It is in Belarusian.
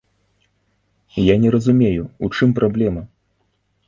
Я не разумею, у чым праблема?